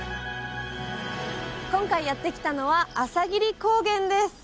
今回やって来たのは朝霧高原です。